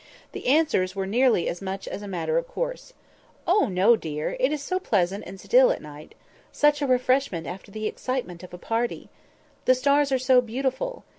The answers were nearly as much a matter of course. "Oh dear, no! it is so pleasant and still at night!" "Such a refreshment after the excitement of a party!" "The stars are so beautiful!"